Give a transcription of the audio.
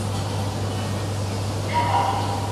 له مور او پلار پرته سمه لاره نه موندل کېږي.